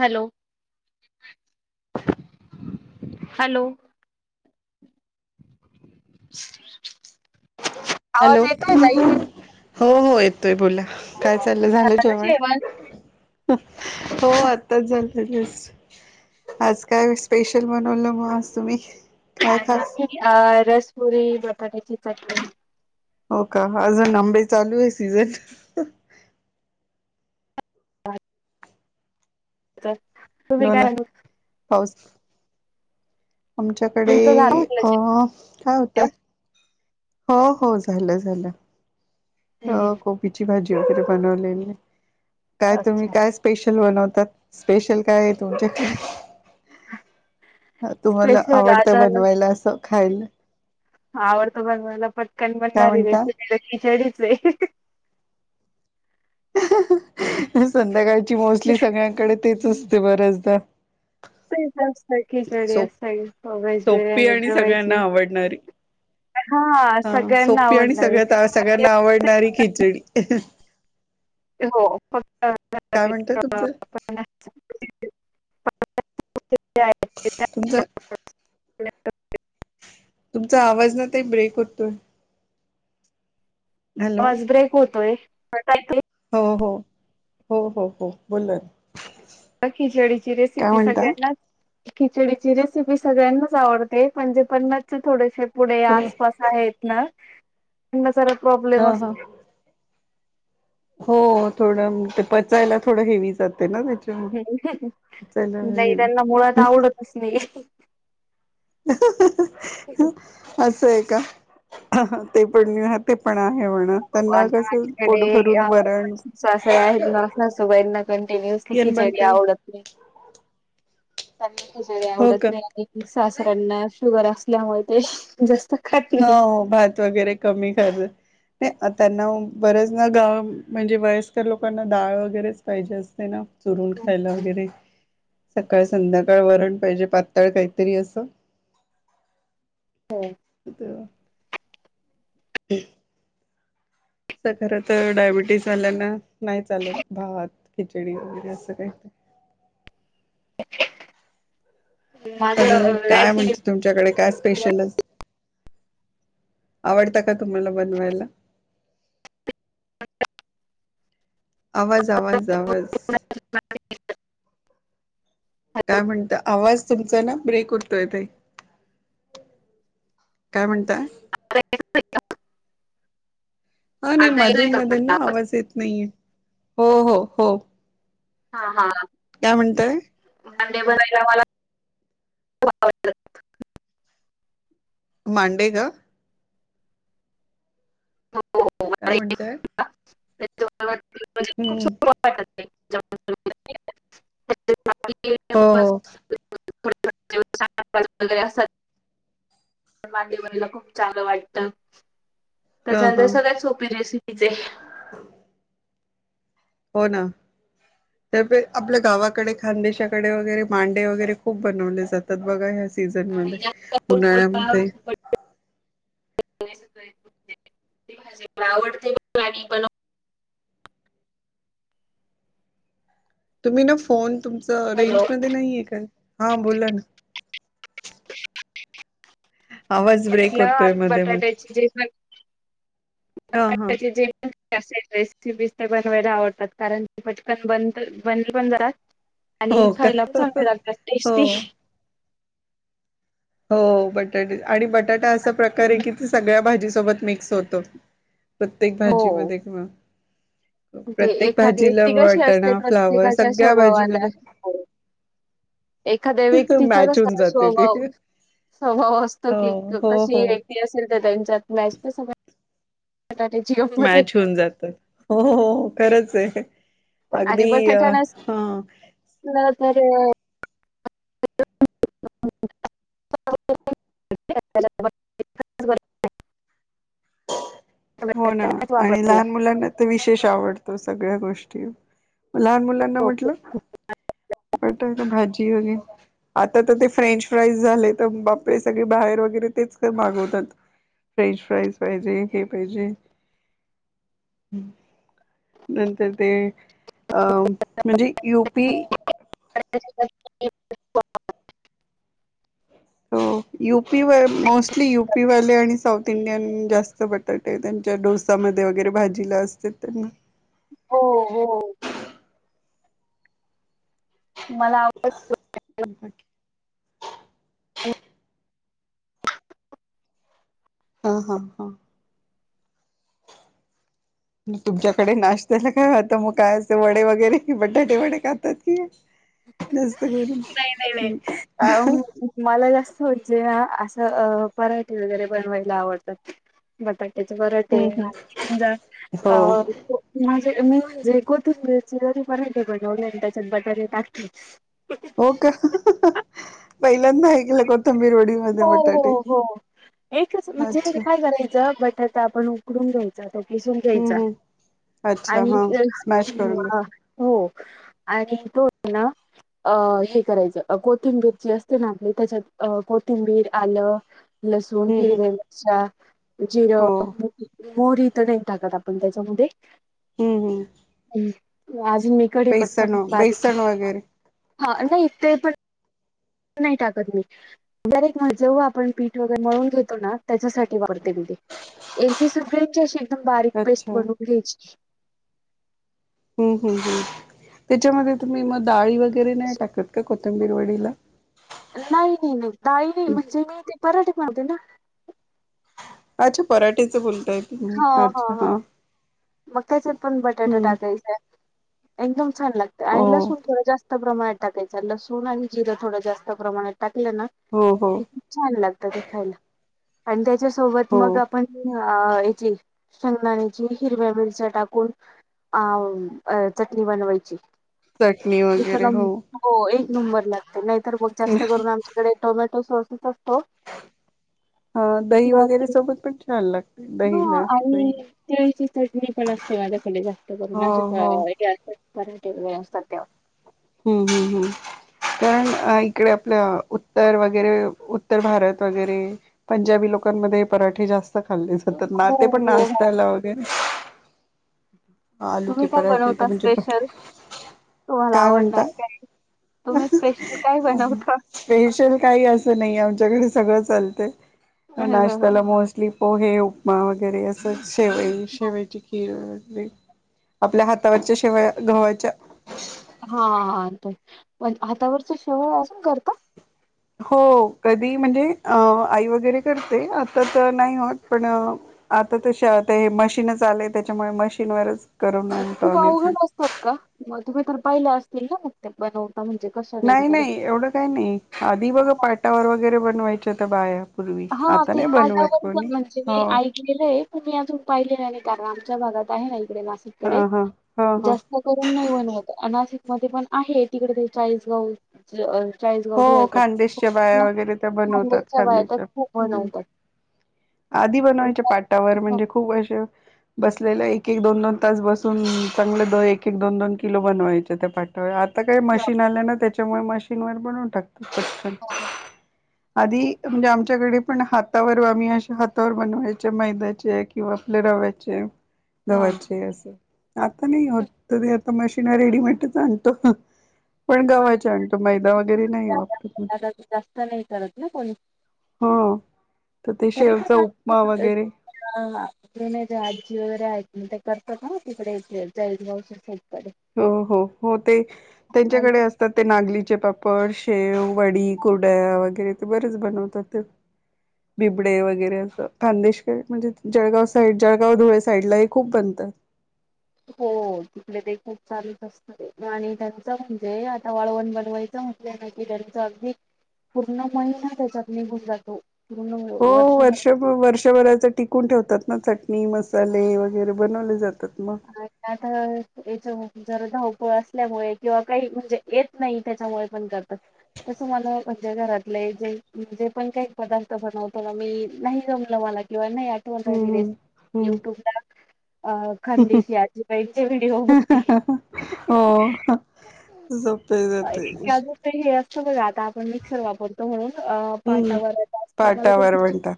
Hello hello [inaudible] hello येतोय ताई हो हो येतोय बोला काय चाललं झालं जेवण हो आ आत्ताच झालंस् आज काय स्पेशल बनवलं मग आज तुम्ही काय आा खास अ रस पुुरी बटाट्याची चटली हो का अजून आंबे चालू आहे सीझन. वा तर होव ना काय पास. आमच्याकडे तुमचं झालं म्हटलं अ काय होतं. जेवण हो हो झालं झालं अ कोबीची भाजी वगैरे बनवलेली काय तुम्ही अच्छा काय स्पेशल बनवतात स्पेशल काय आहे तुमच्याकडे तुम्हाला स्पेशल आवडतं आता बनवायला असं खायला आवडतो बघ मला पटकन काय बनारी रे म्हणता किचडीच संध्याकाळची मोस्टली सगळ्यांकडे तेचच होते बऱ्याचदा असत खिचडी सोप असत व्हेज सोपी बिर्याणी आणि भरवायची सगळ्यांना आवडणारी हा सगळ्यांना सोपी आणि आवडणारी सगळ्यात सगळ्यांना आवडणारी खिचडी हो हां हां काय म्हणतय तुमचं तुमच्या तुमचा आवाज ना तेही ब्रेक होतोय. हॅलो आवाज ब्रेक होतोय हो हो हो हो हो बो ला ना खिचडीची रेसिपी सगळ्यांना खिचडीची रेसिपी सगळ्यांनाच आवडते, म्हणजे पणच थोडेसे पुढे हो आसपास आहेत ना त्यांना स प्रॉब्लेम हा असत. हा हो थोडं ते पचायला थोडं हेवी जाते ना त्याच्यामुळे पचायला नाही त्यांना मुळात हेवी आवडतच नाही असं आहे का ते पण ते पण आहे म्हणा त्यांना कसं पोट भरून वरण सासऱ्या आहेत म अस सोबाईंना कंटिन्युअसली येन बंद खिचडी कर आवडत. त्यांना त जळे हो आवडत का नाही. सासऱ्यांना शुगर असल्यामुळे ते जास् हो भात वगैरे कमी करत नाही त्यांना बरेच ना गाव म्हणजे वयस्कर लोकांना डाळ वगैरेच पाहिजे असते ना चुरून खायला वगैरे सकाळ संध्याकाळ वरण पाहिजे पाताळ काहीतरी असं हो त हम अस खरं तर डायबिटीस झाल्यान नाही चालत भावात खिचडी वगैरे असं काही अज माझं काय रेसिपी म्हणते तुमच्याकडे काय स्पेशल आवडता का तुम्हाला बनवायला? आवाज आवाज आवाज. हे काय म्हणत आवाज तुमचा ना ब्रेक उठतोय काही. काय म्हणताय हा नाही आता येतोय मधून का मधून माझा ना आवाज येत नाहीये हो हो हो हा हा काय म्हणतय मंडे बरायला मला मांडे का काय म्हणतय खप हम्म हो हो वगैरे असत पण मागेवरनला खूप चांग वाटत ह त्याच्यानंतर हा सगळ्यात सोपी रेसिपीज आहे हो ना आपल्या गावाकडे खानदेशाकडे वगैरे मांडे वगैरे खूप बनवले जातात बघा ह सीझन मध्ये आणि जास्त करून मला उन्हाळ्यामध्ये आवडते पण तुम्ही ना फोन तुमच हॅलो रेंज मध्ये नाही आहे काय हा बोला ना आवाज ब्रेक म्हटलं होतोय आलू मध्ये मध्ये बटाट्याची जे हा हा बटाट्याची जे े रेसिपीज ते बनवायला आवडतात कारण ते पटकन बन बन पण जातात आणि हो का खायला चांगले लागतात हो टेस्टी हो बटाटे आणि बटाटा असा प्रकार आहे की ते सगळ्या भाजीसोबत मिक्स होतो प्रत्येक भाजी हो. मध्ये कमा ते प्रत्येक एखादी भाजीला व्यक्ती कशी असते वटणा फ्लावर प्रत्येकाच्या सगळ्या स्वभावाला भाजीमध्ये हो. एखाद्या व्यक्तीचा मॅच होऊन कसा जाते ते स्वभाव स्वभाव असतो की हो हो कशी हो व्य असेल तर त्यांच्या मॅच तर सगळ त्या जिओ मॅच होऊन जातात हो हो खरंच आहे अगदी अ हा तरर हो ना नाहीच आणि वापरला. लहान मुलांना ते विशेष आवडतो सगळ्या गोष्टी लहान मुलांना हो म्हटलं बटर तर भाजी होग आता तर ते फ्रेंच फ्राईज झाले तर बापरे सगळे बाहेर वगैरे तेच मागवतात फ्रेंच फ्राईज पाहिजे हे पाहिजे नंतर ते अ म्हणजे यु पी यूपी व मोस्टली युपीवाले आणि साऊथ इंडियन जास्त बटत ते त्यांच्या डोसामध्ये वगैरे भाजीला असते त्यांना हो हो मला आवडत हा हा हा तुमच्याकडे नाश्त्याला काय वाहतं मग काय असं वडे वगैरे बटाटे वडे खातात की जास्त करून् नाही नाही नाही. मला जास्त होजे ना असं पराठे वगैरे बनवायला आवडतात बटाट्याच हम्म बरटज हो अ माझे मी म्हणजे कोतंची जरी परायते बनवले आणि त्याच्यात बटारी टाकली हो का पहिल्यांदा ऐकलं कोथंबीर वडील हो हो हो एकच म्हणजे अच्छा काय करायचं बटत आपण उकडून घ्यायचा तो पिसून हम्म घ्यायचा हम्म अच्छा आणि हा स्मॅश करून घे हो आणि तो होत ना अ हे करायचं कोथिंबीर जी असते ना आपली त्याच्यात अ तिंबीर आलं लसूण हम्म हम्म हिरव्या मिरच्या हो जिरं मोरी तर नाही टाकत आपण त्याच्यामध्ये हम् हम् अजून मीकडे पत्ता प बेसन वगैरे हा नाही ते पण नाही टाकत मी रेक्ट म्ह जेव्हा आपण पीठ वगैरे मळून घेतो ना त्याच्यासाठी वापरते त ते यांची सगळ्यांची अशी एकदम बारीक पेस्ट अच्छा बनवून हम्म घ्यायची हम्म हम् हम त्याच्यामध्ये तुम्ही मग डाळी वगैरे नाही टाकत का कोथंबीर वडीला नाही नाही नाही दाई नाही म्हणजे मी ते पराटक मारते ना अच्छा पराठेचं बोलताय तुम्ही अच्छा हा मगक्याच्या पण बटाटा हम्म टाकायचाय एकदम छान लागत हो आणि लसूण थोडं जास्त जास्त प्रमाणे टाकायचं लसूण आणि जिरं थोडं जास्त प्रमाणेात टाकलं ना हो हो की खूप छान लागतखायला आणि त्याच्यासोबत हो मग पण याची संनाानीची हिरव्या मिरच्या टाकून अ चटणी बनवायची चटणी वगैरे न हो एक नंबर लागते नाहीतर मग जास्त करून आम जडेे टोमॅटो सॉस सतो हा दही वगैरे सोबत पण छान लागते ह दहीला दही आणि ते चटणी पण असते माझ्याक जास्त करून हो असे हो हे असतात मराठे व असतात ते हम्म हम्म हम्म कारण इकडे आपलं उत्तर वगैरे उत्तर भारत वगैरे पंजाबी लोकांमध्ये पराठे जास्त खाल्ली सतत नाते हो पण हो हो. नाचतायला वगैरे आलू क तुम्ही काय पराठे ते बनवता म्हणजे स्पेशल तुम्हाला काय आवडणार म्हणता काय तुम्ही स्पेशल काय बनवता? स्पेशल काही असं नाही आमच्याकडे सगळं चालत नाश्त्याला मोस्ट ली पोहे उपमा वगैरे असं शेवई शेवायची खीर वै आपल्या हातावरच्या शिवाय गव्हाच्या हा ते पण हातावरच शेवय असून करता हो कधी म्हणजे अ आई वगैरे करते आता तर नाही होत पण आता त ते मशीनच आलेय त्याच्यामुळे मशीनवरच करून आणतो तू आम्ही पण अवघड असतात का मग तुम्ही तर पाहिल्या असतील ना मग ते बनवता म्हणजे क नाही नाही एवढं काही नाही आधी बघं पाटावर वगैरे बनवायचं होत बाया पूर्वी हा आता ते नाही पा बनवत व कोणी म्हणजे हो मी गलंय तुम्ही अजून पाहिलेलं नाही कारण आमच्या भागात आहे ना इकडे ह मासिककडे ह ह ह जास्त करून नाही बनवत नाशिक मध्ये पण आहे तिकडे ते चाळीसगाव चाळीसगाव हो धकड खानदेशच्या बाया वगैरे त्या बनवतात मुच्या व खानदेशच्या हो ना हम्म का आधी बनवायच्या पाटावर म्हणजे खूप असे बसलेला एक एक दोन दोन तास बसून चांगलं द एक एक दोन दोन किलो बनवायचे त्या पाठवळ आत आता काही मशीन आल्या ना त्याच्यामुळे मशीनवर बनवून टाकत पन आधी म्हणजे आमच्याकडे पण हातावर आम्ही अ हातावर बनवायच्या मैद्याचे किंवा आपल्या रव्याचे हां. धव्याचे असं आता नाही होत त ते आता मशीिन रेडीमेटच आणतो पण गावाच्या आणतो मैदा वगैरे नाही वापरत जास्त नाही करत ना कोणी. हो तर ते श ह हा त जे आजी वगैरे आहेत म ते करत का ना तिकडे इथ जैज भा साबकडे हो हो हो ते त्यांच्याकडे असतात ते नागलीचे पाप्पा पड शेव वडी कोुड्या वगैरे ते बरेच बनवतात ते बिबडे वगैरे असं खांदेशकर म्हणजे जळगाव साईड जळगाव धुळे साईडलाही खूप बनतात हो तिकडे ते खूप चालच असत आणि त्यांचं म्हणजे आता वाळवण बनवायचं म्हटलं ना की त्यांचं अगदी पूर्ण महिना त्याच्यात निघून जातो पूर्ण हो वर्ष वर्षभर वर्षभराच टिकून ठेवतात ना चटणी मसाले वगैरे बनवले जातात मग त याच जर धावपळ असल्यामुळे किंवा काही म्हणजे येत नाही त्याच्यामुळे पण करतात तसं मला म्हणज्या घरातले जे म्हणजे पण काही पदार्थ बनवतो ना मी नाही जमलं मला इवण आटंत हम्म रेसप हम्म युट्यूब न अ खंदी त आजी पचे वडीओ मोठी सपेेत अस बघात ण मिक्सर वापरतो म्हणून अ हम्म पाटावर जात मला पाटावर म्हणतात.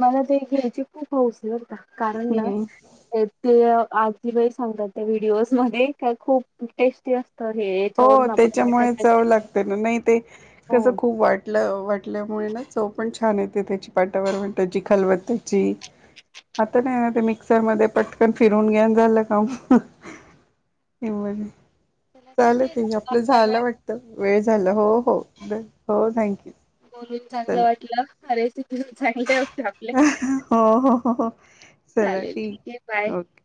मला ते घ्यायची खूप हौसयं बरं का, कारण ना हम्म हे ते आजीबाई सांगतात, त्या व्हिडिओज मध्ये काय खूप टेस्टी असं तर हे हो, याच्यावरून आपण त्याच्यामुळेचं मटण जाव लागते ना, नाही ते हो कसं खूप वाटत वाटलं वाटल्यामुळे ना चव पण छान येते, त्याची पाटावर वाटायची खलबत्तेची. आता नाही ना, ते मिक्सर मध्ये पटकन फिरून घ्या अन झालं काम. [unintelligible] चला झाल ठीक आहे ते आपलं आपला झाल वेळ वाटतं, वेळ झाला हो हो बरं हो थँक्यू! बोलून चांगलं चला वाटलं, अ रेसिपी पण चांगलं हो हो, चला चालेल ठीक आहे बाय ओके.